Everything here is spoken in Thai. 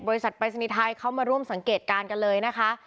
ปริศนีย์ไทยเข้ามาร่วมสังเกตการณ์กันเลยนะคะ